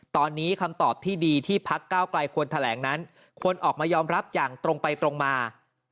ตอนนี้คำตอบที่ดีที่พักเก้าไกลควรแถลงนั้นควรออกมายอมรับอย่างตรงไปตรงมา